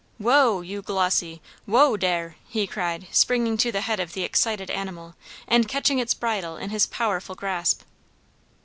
"Whoa, you Glossy! whoa dere!" he cried, springing to the head of the excited animal, and catching its bridle in his powerful grasp.